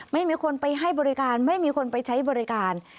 ไม่มีคนไปให้บริการไม่มีคนไปใช้บริการ